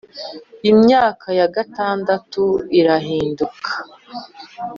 imyaka ya gatandatu irahinduka